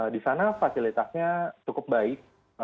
di sana fasilitasnya cukup baik